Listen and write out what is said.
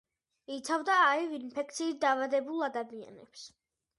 იცავდა აივ ინფექციით დაავადებულ ადამიანებს.